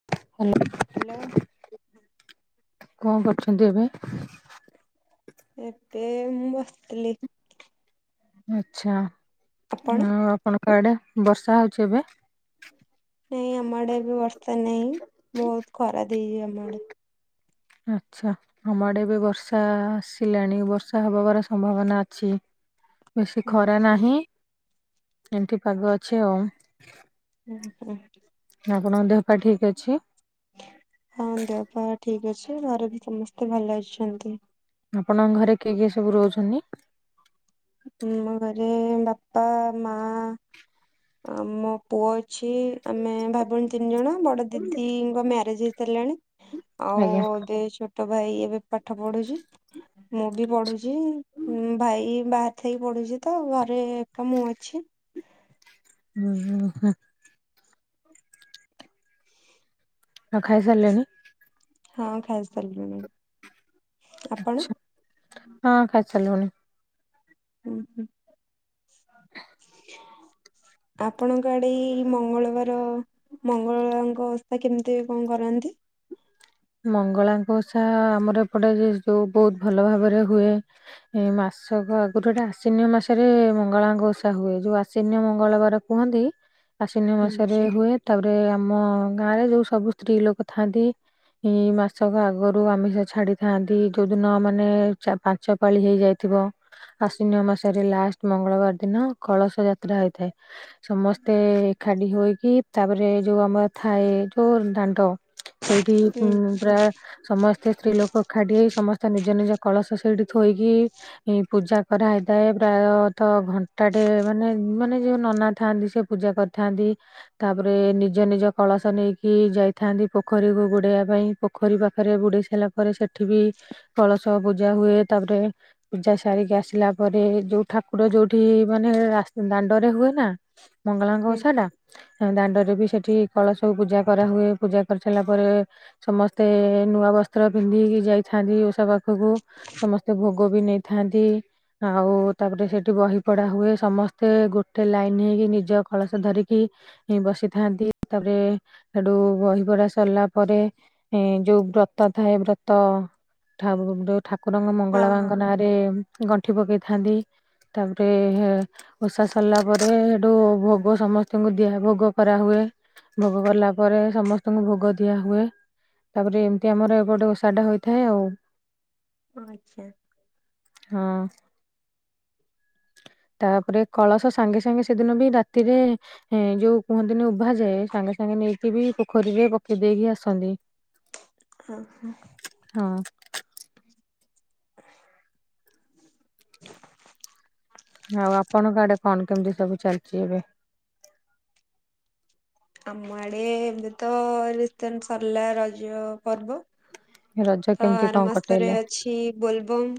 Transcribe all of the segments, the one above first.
[inaudible] Hello. କଣ କରୁଚନ୍ତି ଏବେ। ଏବେ ମୁଁ ବସିଥିଲି। ଆଛା ଆପଣ ଆଉ ଆପଣଙ୍କ ଆଡେ ବର୍ଷା ହଉଚି ଏବେ। ନାଇଁ ଆମ ଆଡେ ଏବେ ବର୍ଷା ନାହିଁ ବୋହୁତ ଖରା ଦେଇଚି ଆମ ଆଡେ। ଆଚ୍ଛା। ଆମ ଆଡେ ଏବେ ବର୍ଷା ଆସିଲାଣି ବର୍ଷା ହବାବାର ସମ୍ଭାବନା ଅଛି। ବେଶୀ ଖରା ନାହିଁ ଏମିତି ପାଗ ଅଛି ଆଉ। [unintelligible] ଆପଣଙ୍କ ଦେହ ପା ଠିକ୍ ଅଛି? ହଁ ଦେହ ପା ଠିକ୍ ଅଛି ଘରେ ବି ସମସ୍ତେ ଭଲ ଅଛନ୍ତି। ଆପଣଙ୍କ ଘରେ କିଏ କିଏ ସବୁ ରୋହୁଛନି। ଆମ ଘରେ ବାପା, ମା ଆମ ପୁଅ ଅଛି ଆମେ ଭାଇ ଭୋଉଣୀ ତିନି ଜଣ। ବଡ ଦିଦିଙ୍କ ମ୍ୟାରେଜ୍ ହେଇସାରିଲଣି ଆଉ ଆଜ୍ଞା ଦେଇ ଛୋ ଟୋ ଭାଇ ଏବେ ପାଠ ପଢୁଛି ମୁଁ ବି ପଢୁଛି ଉଁ ଭାଇ ବାହା ଥାଇକି ପଡୁଚି ତ ଘରେ ଏକା ମୁଁ ଅଛି। [unintelligible] ଆଉ ଖାଇ ସାରିଲେଣି? ହଁ ଖାଇ ସାରିଲିଣି ଆପଣ? ହଁ ଖାଇ ସାରଲୁଣି। ଉଁହୁଁ। [inaudible] ଆପଣଙ୍କ ଆଡେ ଏଇ ମଙ୍ଗଳବାର ମଙ୍ଗଳାମାଙ୍କ ଓଷା କେମିତି କଁ କରନ୍ତି? ମଙ୍ଗଳାଙ୍କ ଓଷା ଆମର ଏପଟେ ଯେ ଯୋଉ ବୋହୁତ୍ ଭଲ ଭାବରେ ହୁଏ ଏଇ ମାସ୍ ସ ଆଗୁରୁ ଏଟା ଆଶ୍ଵିନ ମା ସରେ ମଙ୍ଗଳାଙ୍କ ଓଷା ହୁଏ ଯୋଉ ଆଶ୍ଵିନ ମଙ୍ଗଳବାର କୁହନ୍ତି ଆଶ୍ଵିନ ହୁଁ ମାସରେ ହୁଏ। ତାପରେ ଆମ ଗାଁ ରେ ଯୋଉ ସବୁ ସ୍ତ୍ରୀ ଲୋକୋ ଥାଆନ୍ତି। ଏଇ ମାସକ ଆଗରୁ ଆମିଷ ଛାଡିଥାନ୍ତି ଯୋଉ ଦିନ ମାନେ ଚା ପାଞ୍ଚ ପାଳି ହେଇଯାଇଥିବ। ଆଶ୍ଵିନ ମାସରେ ଲାଷ୍ଟ୍ ମଙ୍ଗଳବାର ଦିନ କଳସ ଯାତ୍ରା ହୋଇଥାଏ। ସମସ୍ତେ [unintelligible] ହୋଇକି ତାପରେ ଯୋଉ ଆମର ଥାଏ ଯୋଉ ଦାଣ୍ଡ ସେଇଠି ଉଁ ହୁଁ [unintelligible] ସମସ୍ତେ ସ୍ତ୍ରୀ ଲୋକୋ ଏକାଠି ହେଇ ସମସ୍ତେ ନିଜ ନିଜ କଳସ ସେଇଠି ଥୋଇକି ଏଇ ପୂଜା କରାହେଇଥାଏ ପ୍ରାୟତ ଘଣ୍ଟାଟେ ମାନେ ମାନେ ଯୋଉ ନନା ଥାଆନ୍ତି ସେ ପୂଜା କରିଥାନ୍ତି ତାପରେ ନିଜ ନିଜ କଳସ ନେଇକି ଯାଇଥାନ୍ତି ପୋଖୋରୀକୁ ବୁଡେଇବା ପାଇଁ ପୋଖୋରୀ ପାଖେରେ ବୁଡେଇ ସାଇଲା ପରେ ସେଠି ବି କଳସ ପୂଜା ହୁଏ ତାପରେ ପୂଜା ସାରିକି ଆସିଲା ପରେ ଯୋଉ ଠାକୁର ଯୋଉଠି ମାନେ ରାସ୍ ଦାଣ୍ଡରେ ହୁଏ ନା ମଙ୍ଗଳାଙ୍କ ହୁଁ। ଓଷାଟା। [unintelligible] ଦାଣ୍ଡରେ ବି ସେଠି କଳସକୁ ପୂଜା କରାହୁଏ ପୂଜା କରିସାରିଲା ପରେ ସମସ୍ତେ ନୂଆ ବସ୍ତ୍ର ପିନ୍ଧିକି ଯାଇଥାନ୍ତି ଓଷା ପାଖୁକୁ ସମସ୍ତେ ଭୋ ଗୋ ବି ନେଇଥାନ୍ତି। ଆଉ ତାପରେ ସେଠି ବହି ପଢା ହୁଏ ସମସ୍ତେ ଗୋଟେ ଲାଇନ୍ ହେଇକି ନିଜ କଳସ ଧରିକି [unintelligible] ବସିଥାନ୍ତି ତାପରେ ହେଟୁ ବହି ପଢା ସରିଲା ପରେ। ଏଁ ଯୋଉ ବ୍ରତ ଥାଏ ବ୍ରତ [unintelligible] ଠାକୁରଙ୍କ ହଁ ହଁ ମଙ୍ଗଳାମାଙ୍କ ନାଁ ରେ ଗଣ୍ଠି ପକେଇଥାନ୍ତି ତାପରେ ହେ ଓଷା ସରିଲା ପରେ ହେଟୁ ଭୋଗ ସମସ୍ତିଙ୍କୁ ଦିଆ [unintelligible] ଭୋଗୋ କରାହୁଏ। ଭୋଗୋ କଲା ପରେ ସମସ୍ତଙ୍କୁ ଭୋଗୋ ଦିଆହୁଏ। ତାପରେ ଏମିତି ଆମର ଏପଟେ ଓଷା ଟା ହୋଇଥାଏ ଆଉ। [unintelligible] ଆଚ୍ଛା। ହଁ। ତାପରେ କଳସ ସାଙ୍ଗେ ସାଙ୍ଗେ ସେଦିନ ବି ରାତିରେ ଏଁ ଯୋଉ କୁହନ୍ତିନି ଉଭା ଯାଏ ସାଙ୍ଗେ ସାଙ୍ଗେ ନେଇକି ବି ପୋଖୋରୀରେ ପକେଇ ଦେଇେକି ଆସନ୍ତି। [unintelligible] ହଁ ହଁ। ହଁ। ଆଉ ଆପଣଙ୍କ ଆଡେ କଣ କେମିତି ସବୁ ଚାଲିଚି ଏବେ। ଆମ ଆଡେ ଏବେ ତ ରିତେନ୍ ସରିଲା ରଜ ପର୍ବ। ରଜ ତ କେମିତି ଆର କଣ ମାସ୍ତରେ କଟେଇଲେ? ଅଛି ବୋଲବମ୍।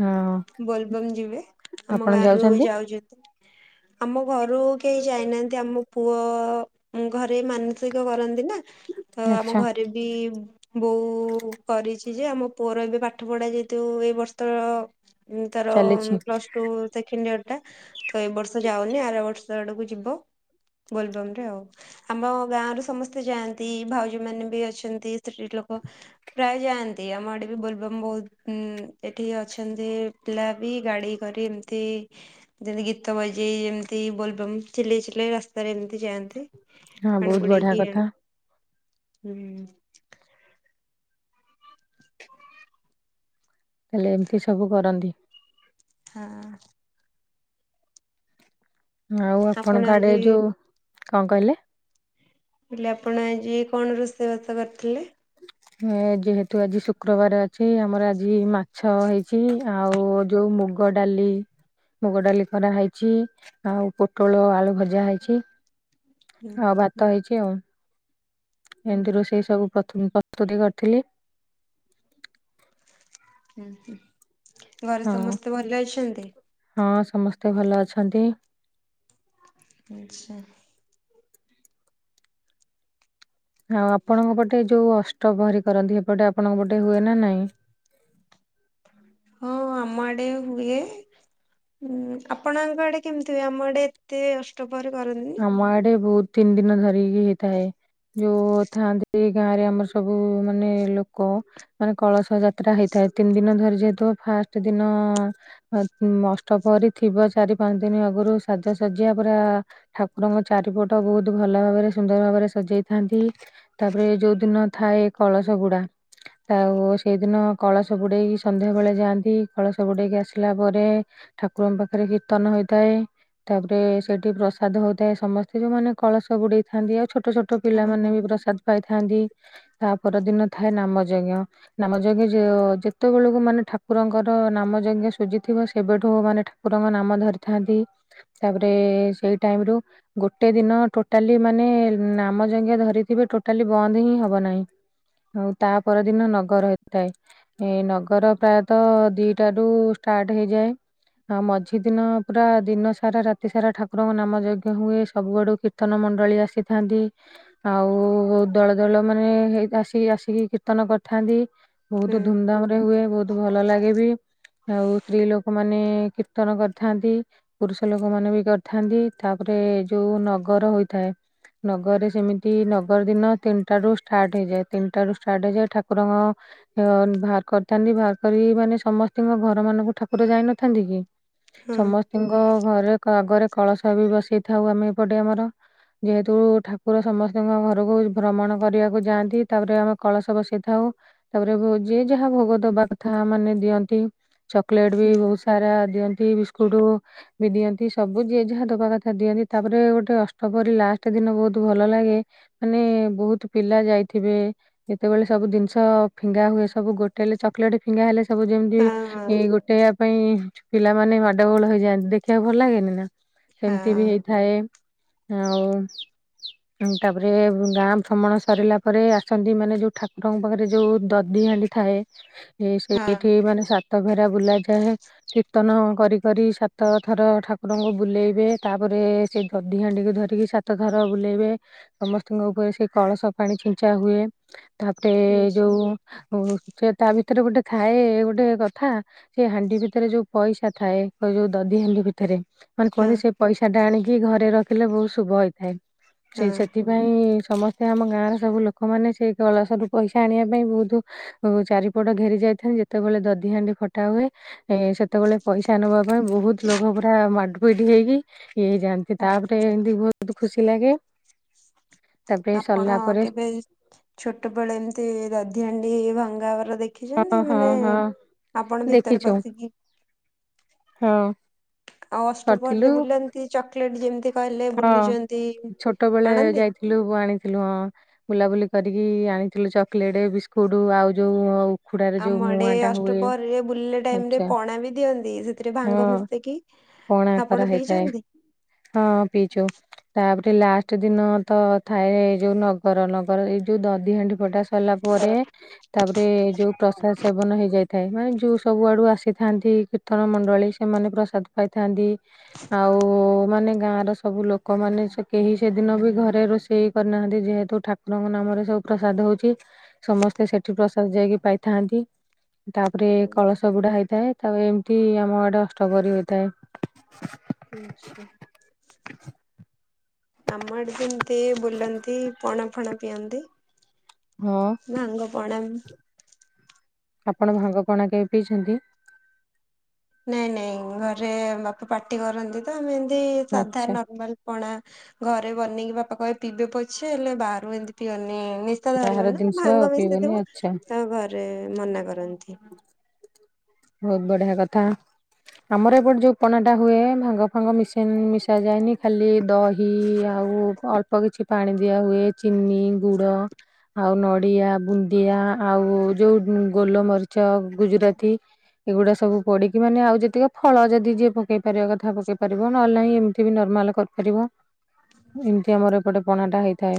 ହଁ। ବୋଲବମ୍ ଯିବେ ଆମ ଆପଣ ଗାଁରୁ ଯାଉଛନ୍ତି ଯାଉଚନ୍ତି। ଆମ ଘରୁ କେହି ଯାଇନାହାନ୍ତି ଆମ ପୁଅ ଘରେ ମାନସିକ କରନ୍ତି ନା ତ ଆମ ଆଚ୍ଛା। ଘରେ ବି ବୋଉ କରିଚି ଯେ ଆମ ପୁଅର ଏବେ ପାଠ ପଢା ଯେହେତୁ ଏଇ ବସ୍ତ୍ରର ତାର ଚାଲିଛି ପ୍ଲସ୍ ଟୁ ସେଖେଣ୍ଡିୟର ଟା ତ ଏ ବର୍ଷ ଯାଉନି ଆର ବର୍ଷ ଆଡକୁ ଯିବ। ଗୋଲବମ୍ ରେ ଆଉ। ଆମ ଗାଁରୁ ସମସ୍ତେ ଯାଆନ୍ତି ଭାଉଜ ମାନେ ବି ଅଛନ୍ତି ସ୍ତ୍ରୀ ଲୋକ ପ୍ରାୟେ ଯାଆନ୍ତି ଆମଆଡେ ବି ବୋଲବମ୍ ବୋହୁତ ଏଠି ଅଛି। ଚନ୍ତି ପିଲା ବି ଗାଡ଼ି କରି ଏମିତି ଯେମତି ଗୀତ ବାଜେଇ ଯେମିତି ବୋଲବମ୍ ଚିଲେଇ ଚିଲେଇ ରାସ୍ତାରେ ଏମିତି ଯାଆନ୍ତି। ହଁ ପାଣି ବହୁତ ବଢିଆ ପୁଡେଇକି କଥା ଆଣି ହୁଁ। ହେଲେ ଏମତି ସବୁ କରନ୍ତି। ହଁ। ଆଉ ଆପଣ ଆପଣଙ୍କ ଆଡେ ଆଜି ଯୋଉ କଣ କଇଲେ। ହେଲେ ଆପଣ ଆଜି କଣ ରୋଷେଇବାସ କରିଥିଲେ। [unintelligible] ଏ ଯେହେତୁ ଆଜି ଶୁକ୍ରବାର ଅଛି ଆମର ଆଜି ମାଛ ହେଇଚି ଆଉ ଯୋଉ ମୁଗ ମୁଗ ଡାଲି ମୁଗ ଡାଲି କରାହେଇଚି ଆଉ ପୋଟଳ ଆଳୁ ଭଜା ହେଇଚି। ହୁଁ ଆଉ ହୁଁ ଭାତ ହେଇଚି ଆଉ। ହୁଁ ଏମିତି ରୋଷେଇ ସବୁପ୍ରଥମେ ପ୍ରସ୍ତୁତି କରିଥିଲି। ହୁଁ ହୁଁ ଘରେ ହଁ ସମସ୍ତେ ଭଲ ଅଛନ୍ତି। ହଁ ସମସ୍ତେ ଭଲ ଅଛନ୍ତି। ଆଚ୍ଛା। ଆଉ ଆପଣଙ୍କ ପଟେ ଯୋଉ ଅଷ୍ଟ ପ୍ରହରି କରନ୍ତି ହେ ପଟେ ଆପଣଙ୍କ ପଟେ ହୁଏ ନା ନାଇଁ। ହଁ ଆମ ଆଡେ ହୁଏ। ହୁଁ ଆପଣଙ୍କ ଆଡେ କେମତି ହୁଏ ଆମ ଆଡେ। ଏତେ ଅଷ୍ଟ ପହରି କରନ୍ତି। ଆମ ଆଡେ ବୋହୁତ ତିନି ଦିନ ଧରିକି ହେଇଥାଏ। ଯୋଉ ଥାଆନ୍ତି ଗାଁ ରେ ଆମର ସବୁ ମାନେ ଲୋକ। ମାନେ କଳସ ଯାତ୍ରା ହେଇଥାଏ ତିନି ଦିନ ଧରି ଯେହେତୁ ଫାଷ୍ଟ ଦିନ ଅଷ୍ଟ ପହରୀ ଥିବ ଚାରି ପାଞ୍ଚ ଦିନି ଆଗରୁ ସାଜସଜ୍ଜା ପୁରା ଠାକୁରଙ୍କ ଚାରିପଟ ବୋହୁତ ଭଲ ଭାବରେ ସୁନ୍ଦର ଭାବରେ ସଜେଇଥାନ୍ତି। ତାପରେ ଯୋଉ ଦିନ ଥାଏ କଳସ ବୁଡା ଆଉ ସେଇଦିନ କଳସ ବୁଡେଇ ସନ୍ଧ୍ୟା ବେଳେ ଯାଆନ୍ତି କଳସ ବୁଡେଇକି ଆସିଲା ପରେ ଠାକୁରଙ୍କ ପାଖରେ କୀର୍ତ୍ତନ ହୋଇଥାଏ। ତାପରେ ସେଠି ପ୍ର ପ୍ରସାଦ ହଉଥାଏ ସମସ୍ତେ ଯୋଉମାନେ କଳସ ବୁଡେଇଥାନ୍ତି ଆଉ ଛୋଟ ଛୋଟ ହଁ ହଁ ପିଲାମାନେେ ବି ପ୍ରସାଦ ପାଇଥାନ୍ତି। ତା ପର ଦିନ ଥାଏ ନାମ ଯଜ୍ଞ। ନାମ ଯଜ୍ଞ ଯେତେବେଳକୁ ମାନେ ଠାକୁରଙ୍କର ନାମ ଯଜ୍ଞ ସୁଜିଥିବ ସେବେଠୁ ମାନେ ଠାକୁରଙ୍କ ନାମ ଧରିଥାନ୍ତି ତାପରେ ସେଇ ଟାଇମ ରୁ ଗୋଟେ ଦିନ ଟୋଟାଲି ମାନେ ନାମ ଜଜ୍ଞ ଧରିଥିବେ ଟୋଟାଲି ବନ୍ଦ ହିଁ ହବ ନାହିଁ। ଆଉ ତା ପରଦିନ ନଗର ହୋଇଥାଏ। ଏ ନଗର ପ୍ରାୟତଃ ଦିଇଟାରୁ ଷ୍ଟାର୍ଟ ହେଇଯାଏ। ଆ ମଝି ଦିନ ପୁରା ଦିନ ସାରା ରାତି ସାରା ଠାକୁର ନାମ ଯଜ୍ଞ ହୁଏ ସବୁଆଡୁ କୀର୍ତ୍ତନ ମଣ୍ଡଳୀ ଆସିଥାନ୍ତି। ଆଉ ଦଳ ଦଳ ମାନେ ଆସି ଆସିକି କୀର୍ତ୍ତନ କରିଥାନ୍ତି। ହୁଁ ବହୁତ ଧୁମଧାମ ରେ ହୁଏ ବହୁତ ଭଲ ଲାଗେ ବି। ଆଉ ସ୍ତ୍ରୀ ଲୋକମାନୋନ କୀର୍ତ୍ତନ କରିଥାନ୍ତି ପୁରୁଷ ଲୋକମାନୋନ ବି ଥାନ୍ତି ତାପରେ ଯୋଉ ନଗର ହୋଇଥାଏ। ନଗରରେ ସେମିତି ନଗର ଦିନ ତିନିଟା ରୁ ଷ୍ଟାର୍ଟ ହେଇଯାଏ। ତିନିଟା ରୁ ଷ୍ଟାର୍ଟ ହେଇଯାଏ ଠାକୁରଙ୍କ ବାହାର କରିଥାନ୍ତି ବାହାର କରି ମାନେ ସମସ୍ତଙ୍କ ଘର ମାନଙ୍କୁ ଠାକୁର ଯାଇନଥାନ୍ତି କି? ହଁ ସମସ୍ତଙ୍କ ଘରେ ଆଗରେ କଳସ ବି ବସେଇଥାଉ ଆମେ ଏପଟେ ଆମର। ଯେହେତୁ ଠାକୁର ସମସ୍ତଙ୍କ ଘରକୁ ଭ୍ରମଣ କରିବାକୁ ଯାଆନ୍ତି। ତାପରେ ଆମେ କଳସ ବସେଇଥାଉ ତାପରେ ଯିଏ ଯାହା ଭୋଗ ଦବା କଥା ମାନେ ଦିଅନ୍ତି। ଚକୋଲେଟ ବି ହୁଁ ବହୁତ ସାରା ଦିଅନ୍ତି ବିସ୍କୁଟ ବି ଦିଅନ୍ତି। ସବୁ ଯିଏ ଯାହା ଦବା କଥା ଦିଅନ୍ତି ତାପରେ ଗୋଟେ ଅଷ୍ଟପରି ଲାଷ୍ଟ ଦିନ ବହୁତ ଭଲ ଲାଗେ। ମାନେ ବହୁତ ପିଲା ଯାଇଥିବେ। ଯେତେବେଳେ ସବୁ ଜିନିଷ ଫିଙ୍ଗା ହୁଏ ସବୁ ଗୋଟେ ହେଲେ ଚ ଚକଲେଟ ଫିଙ୍ଗା ହେଲେ ସବୁ ହଁ ଯେମିତି ହଁ ଏ ଗୋଟେ ପାଇଁ ପିଲାମାନୋନ ମାଡଗୋଳ ହେଇଯାଆନ୍ତି ଦେଖିବାକୁ ଭଲ ଲାଗେନି ନା? ସେମିତି ବି ହଁ ହେଇଥାଏ ଆଉ। ତାପରେ ଗାଁ ଭ୍ରମଣ ସରିଲା ପରେ ଆସନ୍ତି ମାନେ ଯୋଉ ଠାକୁରଙ୍କ ପାଖରେ ଯୋଉଦଧି ଦି ହାଣ୍ଡି ଥାଏ ହଁ। ସେଇଠି ମାନେ ସ ସାତ ଘେରା ବୁଲା ଯାଏ କୀର୍ତ୍ତନ କରି କରି ସାତ ଥର ଠାକୁର ଙ୍କୁ ବୁଲେଇବେ ତାପରେ ସେ ଦଧି ହାଣ୍ଡିକୁ ଧରିକି ସାତ ଥର ବୁଲେଇବେ ସମସ୍ତଙ୍କ ଉପରେ ସେ କଳସ ପାଣି ଛିଞ୍ଚା ହୁଏ ତାପରେ ନିଶ୍ଚୟ ଯୋଉ ହଉ ସେ ତା ଭିତରେ ଗୋଟେ ଥାଏ ଗୋଟେ କଥା ସେ ହାଣ୍ଡି ଭିତରେ ଯୋଉ ପଇସା ଥାଏ ଯୋଉ ଦଧି ହାଣ୍ଡି ଭିତରେ। ମାନେ ହଁ କୁହନ୍ତି ସେ ପଇସା ଟା ଆଣିକି ଘରେ ରଖିଲେ ବହୁତ ଶୁଭ ହେଇଥାଏ। ସେ ସେଥି ହଁ। ସେଥି ପାଇଁ ସମସ୍ତେ ଆମ ଗାଁର ସବୁ ଲୋକମାନେ ସେଇ କଳସରୁ ପଇସା ଆଣିବା ପାଇଁ ବହୁତ। ଚାରିପଟ ଘେରି ଯାଇଥାନ୍ତି ଯେତେବେଳେ ଦଧି ହାଣ୍ଡି ଫଟା ହୁଏ ଏ ସେତେବେଳେ ପଇସା ନେବା ପାଇଁ ବହୁତ ଲୋକ ପୁରା ମାଡପିଡି ହେଇକି ଇୟେ ଯାଆନ୍ତି। ହଁ। ତାପରେ ଏମିତି ବହୁତ ଖୁସି ଲାଗେ। ତାପରେ ଆପଣ ସରିଲା ପରେ କେବେ ଛୋଟବେଳେ ଏମତି ଦଧିହାଣ୍ଡି ଭଙ୍ଗାହବାର ଦେଖି ହଁ ଦେଖିଛନ୍ତି ହଁ ମାନେ ହଁ ଆପଣ ଭିତରେ ଦେଖିଛୁ ପସିକି ହଁ। ଆଉ ଅଷ୍ଟପହରିରେ କରିଥିଲୁ ବୁଲନ୍ତି ଚକୋଲେଟ ଯେମିତି କହିଲେ ବୁଲୁଛନ୍ତି। ଆଣନ୍ତି? ଫୁଲକୁ ଆଣିଥିଲୁ ହଁ। ବୁଲାବୁଲି କରିକି ଆଣିଥିଲୁ ଚକୋଲେଟ, ବିସ୍କୁଟ ଆଉ ଯୋଉ ଉଖୁଡାରେ ଯୋଉ ଆମ ଆଡେ ମୁଆଁ ଟା ହୁଏ ଅଷ୍ଟପହରିରେ ବୁଲିଲା ଟାଇମରେ ଆଚ୍ଛା ପଣା ବି ଦିଅନ୍ତି ସେଥିରେ ଭାଙ୍ଗ ମିଶେଇକି ପଣାକରା ଆପଣ ହେଇଥାଏ। ପିଇଛନ୍ତି? ତ ପିଇଛୁ। ତାପରେ ଲାଷ୍ଟ ଦିନ ତ ଥାଏ ଏଇ ଯୋଉ ନଗର। ନଗର ଏଇ ଯୋଉ ଦଧି ହଣ୍ଡି ଫଟା ସରିଲା ପରେ ତାପରେ ଯୋଉ ପ୍ରସାଦ ସେବନ ହେଇଯାଇଥାଏ। ମାନେ ଯୋଉ ସବୁ ଆଡୁ ଆସିଥାନ୍ତି। କୀର୍ତ୍ତନ ମଣ୍ଡଳୀ ସେମାନେ ପ୍ରସାଦ ପାଇଥାନ୍ତି। ଆଉ ମାନେ ଗାଁ ର ସବୁ ଲୋକମାନେ ସେ କେହି ସେଦିନ ବି ଘରେ ରୋଷେଇ କରିନାହାନ୍ତି ଯେହେତୁ ଠାକୁରଙ୍କ ନାମରେ ସବୁ ପ୍ରସାଦ ହଉଚି। ସମସ୍ତେ ସେଠି ପ୍ରସାଦ ଯାଇକି ପାଇଥାନ୍ତି ତାପରେ କଳସ ବୁଡା ହେଇଥାଏ। ତ ଏମିତି ଆମ ଆଡେ ଅଷ୍ଟପ୍ରହରୀ ହୋଇଥାଏ। ଆଚ୍ଛା ଆମ ଆଡେ ଯେମତି ବୁଲନ୍ତି ତି ପଣା ଫଣା ପିଅନ୍ତି। ହଁ ଭାଙ୍ଗ ପଣା ଆପଣ ଭାଙ୍ଗପଣା କେବେ ପିଇଚନ୍ତି? ନାଇଁ ନାଇଁ ଘରେ ବାପା ପାଟି କରନ୍ତି ତ ମୁଁ ଏମତି ସାଧା ଆଚ୍ଛା ନର୍ମାଲ ପଣା ଘରେ ବନେଇକି ବାପା କହିବେ ପିଇଦେ ପଛେ ହେଲେ ବାହାରୁ ଏମିତି ପିଅନି ନି ନିଶା ଧରିବ ବାହାର ନା ଜିନିଷ ଭାଙ୍ଗ ପିଇବେନି ମିଶିଥିବ ଆଚ୍ଛା ତ ଘରେ ମନା କରନ୍ତି। ବହୁତ ବଢିଆ କଥା ଆମର ଏପଟେ ଯୋଉ ପଣା ଟା ହୁଏ ଭାଙ୍ଗ ଭାଙ୍ଗ ମିଶେନି ମିଶା ଯାଏନି ଖାଲି ଦହି ଆଉ ଅଳ୍ପ କିଛି ପାଣି ଦିଆ ହୁଏ ଚିନି ଗୁଡ ଆଉ ନଡିଆ ବୁନ୍ଦିଆ ଆଉ ଯୋଉ ଗୋଲମରିଚ ଗୁଜୁରାତି ଏଗୁଡା ସବୁ ପଡିକି ମାନେ ଆଉ ଯେତିକ ଫଳ ଯଦି ଯିଏ ପକେଇ ପାରିବା କଥା ପକେଇ ପାରିବ ନହେଲେ ନାହିଁ ଏମତି ବି ନର୍ମାଲ କ କରିବ ଏମତି ଆମର ଏପଟେ ପଣାଟା ହେଇଥାଏ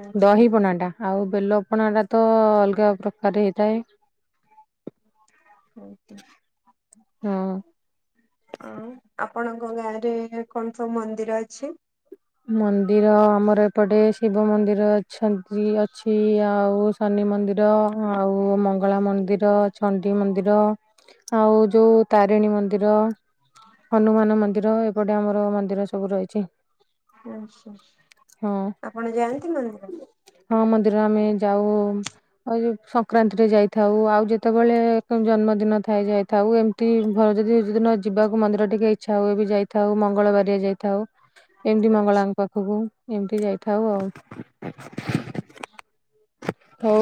ଆଚ୍ଛା। ଦହି ପଣାଟା। ଆଉ ବେଲପଣାଟା ତ ଅଲଗା ପ୍ରକାରେ ହେଇଥାଏ। ଉଁ ହୁଁ। ହଁ। ଆଉ ଆପଣଙ୍କ ଗାଁ ରେ କଣ ସବୁ ମନ୍ଦିର ଅଛି? ମନ୍ଦିର ଆମର ଏପଟେ ଶିବ ମନ୍ଦିର ଅଛନ୍ତି ଅଛି ଆଉ ଶନି ମନ୍ଦିର ଆଉ ମଙ୍ଗଳା ମନ୍ଦିର ଚଣ୍ଡି ମନ୍ଦିର ଆଉ ଯୋଉ ତାରିଣୀ ମନ୍ଦିର ହନୁମାନ ମନ୍ଦିର ଏପଟେ ଆମର ମନ୍ଦିର ସବୁ ରହିଚି। ଆଚ୍ଛା। ଆପଣ ଯାଆନ୍ତି ମନ୍ଦିର? ହଁ ହଁ ମନ୍ଦିର ଆମେ ଯାଉ। ଆଉ ସଂକ୍ରାନ୍ତି ରେ ଯାଇଥାଉ ଆଉ ଯେତବଳେ ଜନ୍ମଦିନ ଥାଏ ଯାଇଥାଉ ଏମ୍ ଟି ଭଲ ଯଦି ଯଦି ନ ଯିବାକୁ ମନ୍ଦିର ଟିକେ ଇଛା ହୁଏ ବି ଯାଇଥାଉ ମଙ୍ଗଳବାରିଆ ଯାଇଥାଉ। ଏମତି ଆଚ୍ଛା ମଙ୍ଗଳାଙ୍କ ପାଖକୁ ଏମତି ଯାଇଥାଉ ଆଉ। ହୋଉ।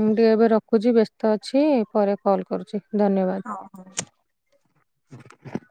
ମୁଁ ଟିକେ ଏବେ ରଖୁଚି ବେସ୍ତ ଅଛି ପରେ କଲ୍ କରୁଚି ଧନ୍ୟବାଦ। ହଁ ହୋଉ। [inaudible]